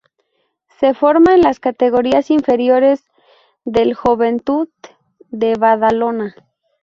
Se forma en las categorías inferiores del Joventut de Badalona.